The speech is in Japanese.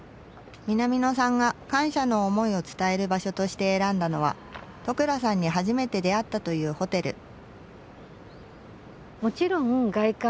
南野さんが感謝の思いを伝える場所として選んだのは都倉さんに初めて出会ったというホテル。